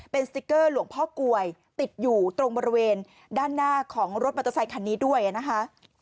เป็นสติ๊กเกอร์หลวงพ่อกลวยติดอยู่ตรงบริเวณด้านหน้าของรถมอเตอร์ไซคันนี้ด้วยนะคะ